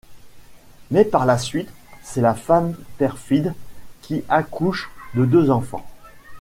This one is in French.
Mais, par la suite, c'est la femme perfide qui accouche de deux enfants.